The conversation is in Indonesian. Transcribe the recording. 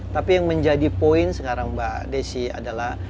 tapi yang menjadi poin sekarang mbak desi adalah